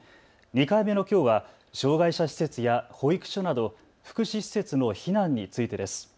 ２回目のきょうは障害者施設や保育所など福祉施設の避難についてです。